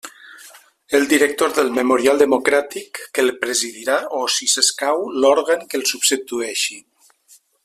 El director del Memorial Democràtic, que el presidirà, o, si s'escau, l'òrgan que el substitueixi.